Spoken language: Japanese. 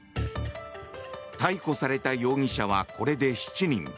逮捕された容疑者はこれで７人。